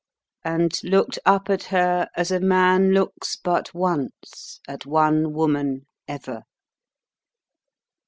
And looked up at her as a man looks but once at one woman ever.